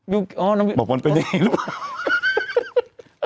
บอกมันเป็นในเองหรือป่ะ